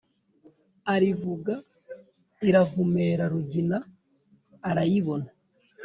arivuga iravumera rugina arayibona.